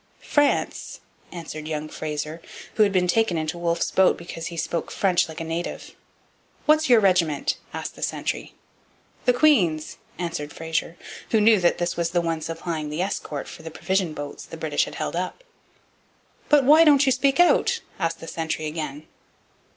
'France!' answered young Fraser, who had been taken into Wolfe's boat because he spoke French like a native. 'What's your regiment?' asked the sentry. 'The Queen's,' answered Fraser, who knew that this was the one supplying the escort for the provision boats the British had held up. 'But why don't you speak out?' asked the sentry again.